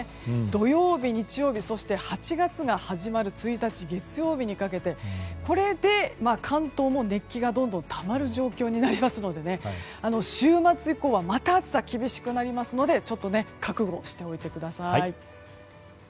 土曜日、日曜日そして８月が始まる１日月曜日にかけてこれで関東も熱気がどんどんたまる状況になりますので週末以降はまた暑さが厳しくなりますのでちょっと覚悟しておいてください。